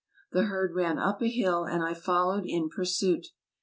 The herd ran up a hill, and I followed in pursuit.